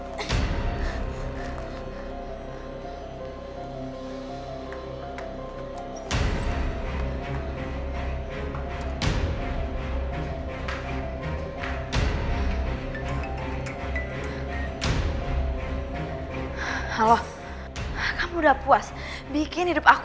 galang lepasin aku